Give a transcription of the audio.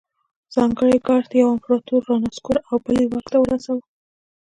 ځانګړي ګارډ یو امپرتور رانسکور او بل یې واک ته رساوه.